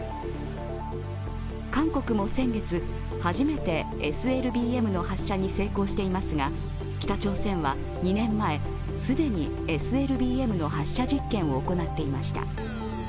韓国も先月、始めてＳＬＢＭの発射に成功していますが北朝鮮は２年前、既にＳＬＢＭの発射実験を行っていました。